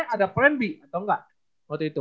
ada friend b atau enggak waktu itu